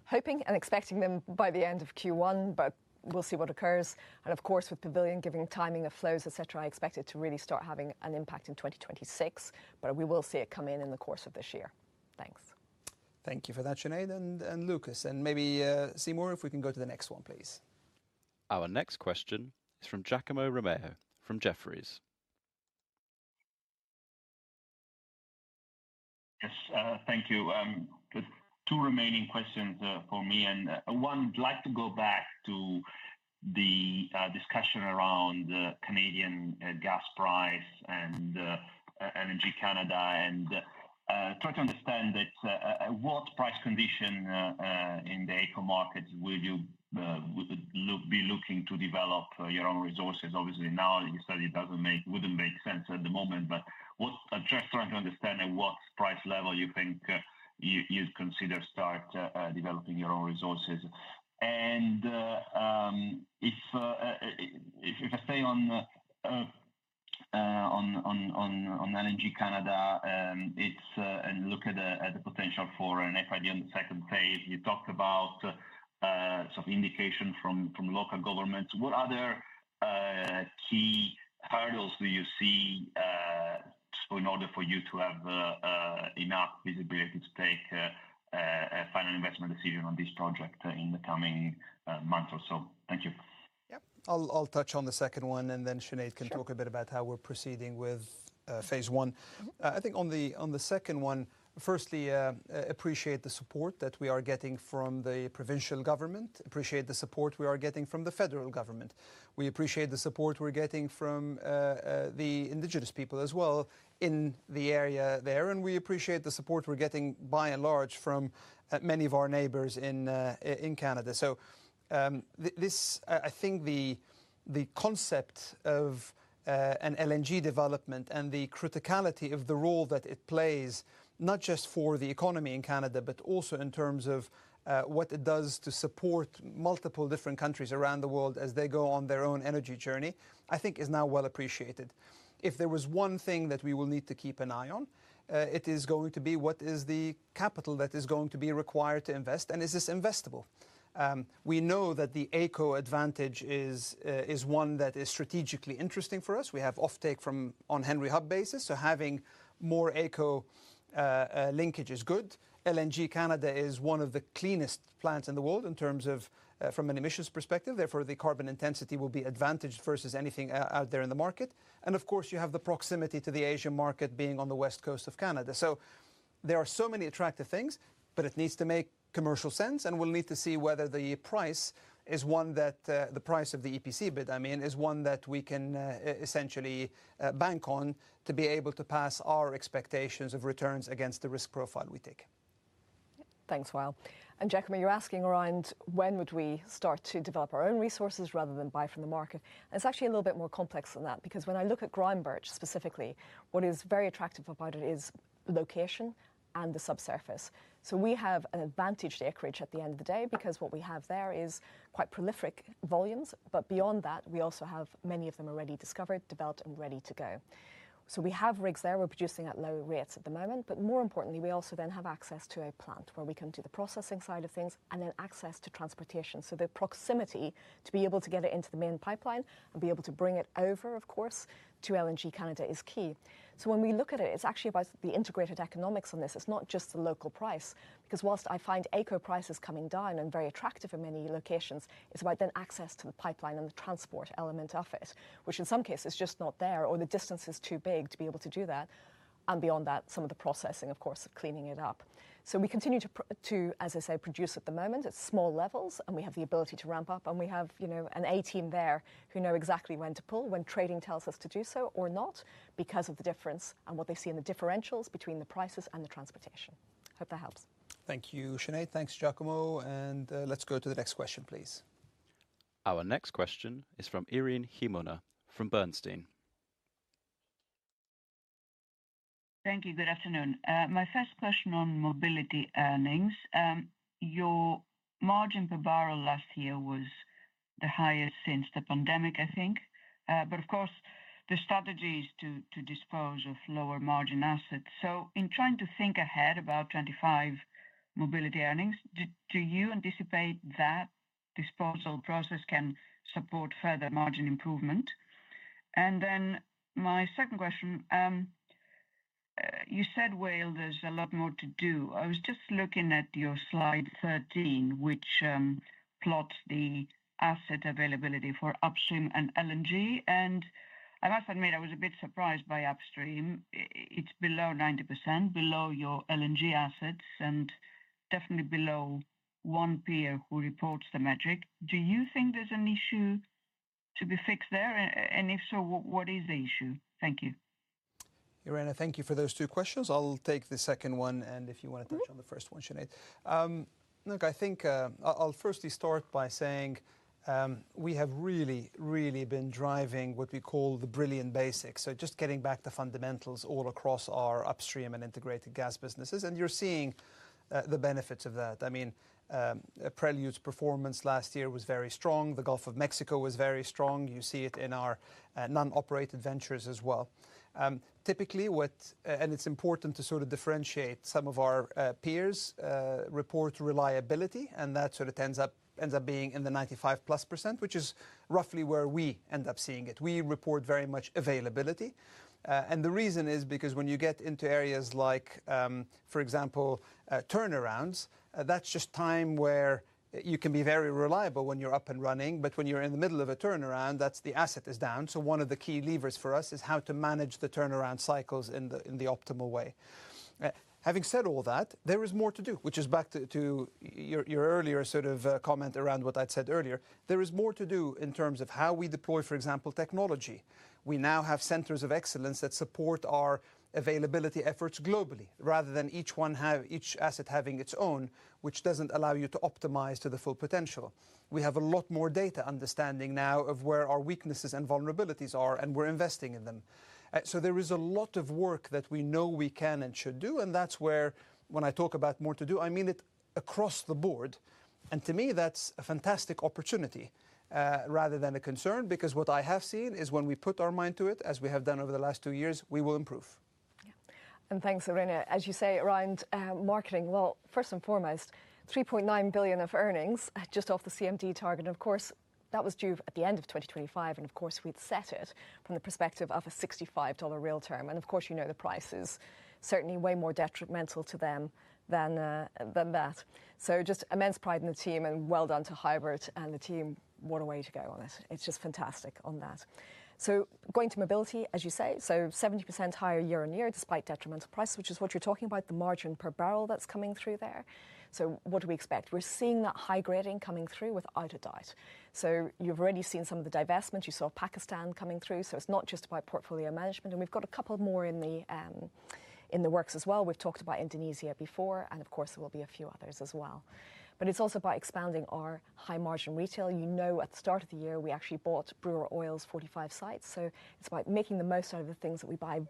hoping and expecting them by the end of Q1, but we'll see what occurs. And of course, with Pavilion giving timing of flows, et cetera, I expect it to really start having an impact in 2026, but we will see it come in in the course of this year. Thanks. Thank you for that, Sinead and Lucas. And maybe Seymour, if we can go to the next one, please. Our next question is from Giacomo Romeo from Jefferies. Yes, thank you. Two remaining questions for me. And one, I'd like to go back to the discussion around Canadian gas price and LNG Canada and try to understand what price condition in the AECO markets will you be looking to develop your own resources. Obviously, now you said it wouldn't make sense at the moment, but just trying to understand at what price level you think you'd consider start developing your own resources. And if I stay on LNG Canada, it's and look at the potential for an FID on the second phase, you talked about some indication from local governments. What other key hurdles do you see in order for you to have enough visibility to take a final investment decision on this project in the coming month or so? Thank you. Yep. I'll touch on the second one, and then Sinead can talk a bit about how we're proceeding with phase one. I think on the second one, firstly, appreciate the support that we are getting from the provincial government, appreciate the support we are getting from the federal government. We appreciate the support we're getting from the Indigenous people as well in the area there, and we appreciate the support we're getting by and large from many of our neighbors in Canada, so this, I think, the concept of an LNG development and the criticality of the role that it plays, not just for the economy in Canada, but also in terms of what it does to support multiple different countries around the world as they go on their own energy journey, I think is now well appreciated. If there was one thing that we will need to keep an eye on, it is going to be what is the capital that is going to be required to invest and is this investable? We know that the AECO advantage is one that is strategically interesting for us. We have offtake on Henry Hub basis. So having more AECO linkage is good. LNG Canada is one of the cleanest plants in the world in terms of from an emissions perspective. Therefore, the carbon intensity will be advantaged versus anything out there in the market. And of course, you have the proximity to the Asian market being on the west coast of Canada. So there are so many attractive things, but it needs to make commercial sense. We'll need to see whether the price of the EPC bid, I mean, is one that we can essentially bank on to be able to pass our expectations of returns against the risk profile we take. Thanks, Wael. And Giacomo, you're asking around when would we start to develop our own resources rather than buy from the market. And it's actually a little bit more complex than that because when I look at Groundbirch specifically, what is very attractive about it is location and the subsurface. So we have an advantaged acreage at the end of the day because what we have there is quite prolific volumes. But beyond that, we also have many of them already discovered, developed, and ready to go. So we have rigs there. We're producing at low rates at the moment. But more importantly, we also then have access to a plant where we can do the processing side of things and then access to transportation. So the proximity to be able to get it into the main pipeline and be able to bring it over, of course, to LNG Canada is key. So when we look at it, it's actually about the integrated economics on this. It's not just the local price because while I find AECO prices coming down and very attractive in many locations, it's about then access to the pipeline and the transport element of it, which in some cases is just not there or the distance is too big to be able to do that. And beyond that, some of the processing, of course, cleaning it up. So we continue to, as I say, produce at the moment at small levels. And we have the ability to ramp up. We have an A team there who know exactly when to pull when trading tells us to do so or not because of the difference and what they see in the differentials between the prices and the transportation. Hope that helps. Thank you, Sinead. Thanks, Giacomo. And let's go to the next question, please. Our next question is from Irene Himona from Bernstein. Thank you. Good afternoon. My first question on mobility earnings. Your margin per barrel last year was the highest since the pandemic, I think. But of course, the strategy is to dispose of lower margin assets. So in trying to think ahead about 2025 mobility earnings, do you anticipate that disposal process can support further margin improvement? And then my second question, you said, Wael, there's a lot more to do. I was just looking at your slide 13, which plots the asset availability for upstream and LNG. And I must admit, I was a bit surprised by upstream. It's below 90%, below your LNG assets and definitely below one peer who reports the metric. Do you think there's an issue to be fixed there? And if so, what is the issue? Thank you. Irene, thank you for those two questions. I'll take the second one. And if you want to touch on the first one, Sinead. Look, I think I'll firstly start by saying we have really, really been driving what we call the brilliant basics. So just getting back to fundamentals all across our upstream and integrated gas businesses. And you're seeing the benefits of that. I mean, Prelude's performance last year was very strong. The Gulf of Mexico was very strong. You see it in our non-operated ventures as well. Typically, it's important to sort of differentiate some of our peers report reliability. And that sort of ends up being in the 95% plus, which is roughly where we end up seeing it. We report very much availability. The reason is because when you get into areas like, for example, turnarounds, that's just time where you can be very reliable when you're up and running. But when you're in the middle of a turnaround, that's the asset is down. So one of the key levers for us is how to manage the turnaround cycles in the optimal way. Having said all that, there is more to do, which is back to your earlier sort of comment around what I'd said earlier. There is more to do in terms of how we deploy, for example, technology. We now have centers of excellence that support our availability efforts globally rather than each asset having its own, which doesn't allow you to optimize to the full potential. We have a lot more data understanding now of where our weaknesses and vulnerabilities are and we're investing in them. So there is a lot of work that we know we can and should do. And that's where when I talk about more to do, I mean it across the board. And to me, that's a fantastic opportunity rather than a concern because what I have seen is when we put our mind to it, as we have done over the last two years, we will improve. Yeah. And thanks, Irene. As you say around marketing, well, first and foremost, $3.9 billion of earnings just off the CMD target. And of course, that was due at the end of 2025. And of course, we'd set it from the perspective of a $65 real term. And of course, you know the price is certainly way more detrimental to them than that. So just immense pride in the team. And well done to Huibert and the team. What a way to go on it. It's just fantastic on that. So going to mobility, as you say, so 70% higher year on year despite detrimental price, which is what you're talking about, the margin per barrel that's coming through there. So what do we expect? We're seeing that high grading coming through without a doubt. So you've already seen some of the divestments. You saw Pakistan coming through. So it's not just about portfolio management. And we've got a couple more in the works as well. We've talked about Indonesia before. And of course, there will be a few others as well. But it's also about expanding our high margin retail. You know at the start of the year, we actually bought Brewer Oil's 45 sites. So it's about making the most out of the things that we buy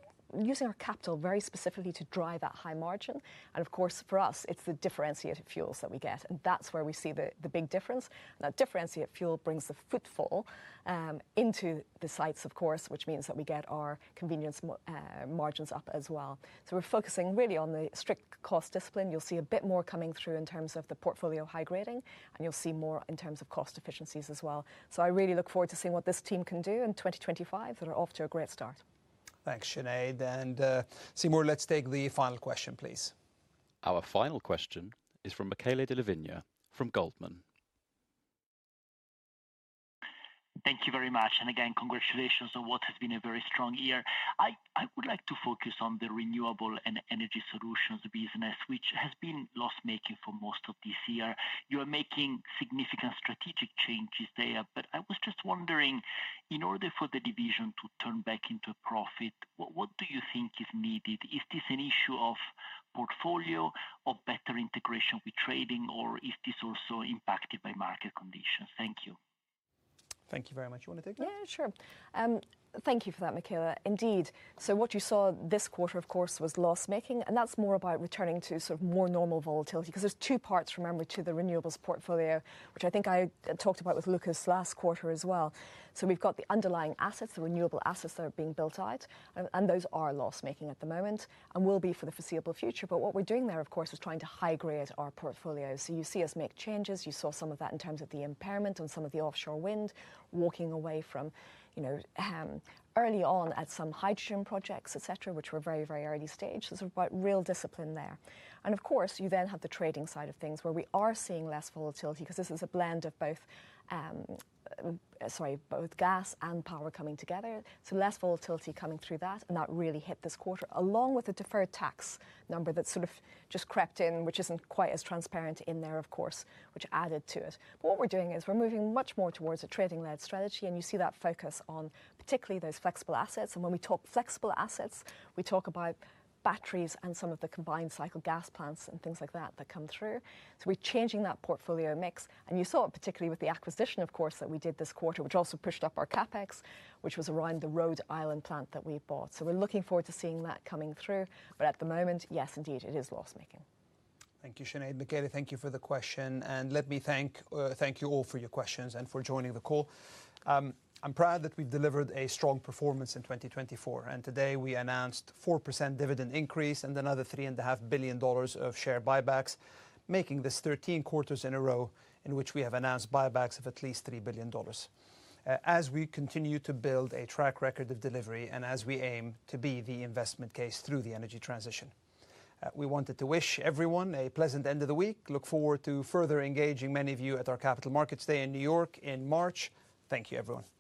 using our capital very specifically to drive that high margin. And of course, for us, it's the differentiated fuels that we get. And that's where we see the big difference. Now, differentiated fuel brings the footfall into the sites, of course, which means that we get our convenience margins up as well. So we're focusing really on the strict cost discipline. You'll see a bit more coming through in terms of the portfolio high grading. And you'll see more in terms of cost efficiencies as well. So I really look forward to seeing what this team can do in 2025 that are off to a great start. Thanks, Sinead. And Seymour, let's take the final question, please. Our final question is from Michele della Vigna from Goldman. Thank you very much. And again, congratulations on what has been a very strong year. I would like to focus on the renewable and energy solutions business, which has been loss-making for most of this year. You are making significant strategic changes there. But I was just wondering, in order for the division to turn back into a profit, what do you think is needed? Is this an issue of portfolio or better integration with trading, or is this also impacted by market conditions? Thank you. Thank you very much. You want to take that? Yeah, sure. Thank you for that, Michele. Indeed. So what you saw this quarter, of course, was loss-making. And that's more about returning to sort of more normal volatility because there's two parts, remember, to the renewables portfolio, which I think I talked about with Lucas last quarter as well. So we've got the underlying assets, the renewable assets that are being built out. And those are loss-making at the moment and will be for the foreseeable future. But what we're doing there, of course, is trying to high-grade our portfolio. So you see us make changes. You saw some of that in terms of the impairment on some of the offshore wind walking away from early on at some hydrogen projects, et cetera, which were very, very early stage. There's about real discipline there. Of course, you then have the trading side of things where we are seeing less volatility because this is a blend of both, sorry, both gas and power coming together. Less volatility coming through that. That really hit this quarter along with a deferred tax number that sort of just crept in, which isn't quite as transparent in there, of course, which added to it. But what we're doing is we're moving much more towards a trading-led strategy. You see that focus on particularly those flexible assets. When we talk flexible assets, we talk about batteries and some of the combined cycle gas plants and things like that that come through. We're changing that portfolio mix. You saw it particularly with the acquisition, of course, that we did this quarter, which also pushed up our CapEx, which was around the Rhode Island plant that we bought. We're looking forward to seeing that coming through. At the moment, yes, indeed, it is loss-making. Thank you, Sinead. Michele, thank you for the question. Let me thank you all for your questions and for joining the call. I'm proud that we've delivered a strong performance in 2024. Today we announced a 4% dividend increase and another $3.5 billion of share buybacks, making this 13 quarters in a row in which we have announced buybacks of at least $3 billion as we continue to build a track record of delivery and as we aim to be the investment case through the energy transition. We wanted to wish everyone a pleasant end of the week. Look forward to further engaging many of you at our Capital Markets Day in New York in March. Thank you, everyone.